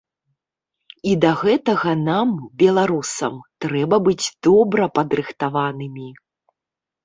І да гэтага нам, беларусам, трэба быць добра падрыхтаванымі.